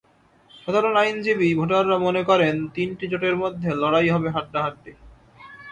সাধারণ আইনজীবী ভোটাররা মনে করেন, তিনটি জোটের মধ্যেই লড়াই হবে হাড্ডাহাড্ডি।